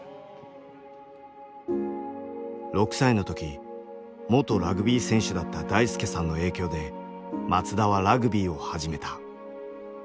６歳の時元ラグビー選手だった大輔さんの影響で松田はラグビーを始めた。